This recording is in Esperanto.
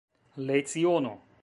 leciono